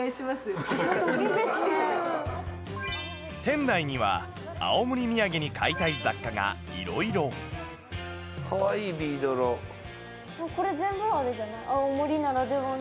店内には青森土産に買いたい雑貨がいろいろかわいいびいどろ。